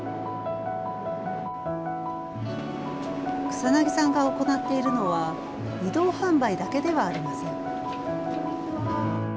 草薙さんが行っているのは移動販売だけではありません。